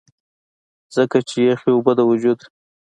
ځکه چې يخې اوبۀ د وجود